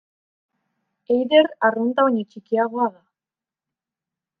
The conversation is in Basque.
Eider arrunta baino txikiagoa da.